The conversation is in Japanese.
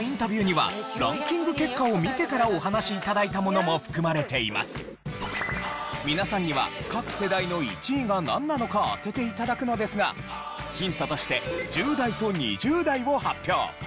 街で頂いた皆さんには各世代の１位がなんなのか当てて頂くのですがヒントとして１０代と２０代を発表。